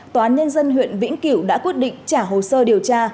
tòa án nhân dân huyện vĩnh cửu đã quyết định trả hồ sơ điều tra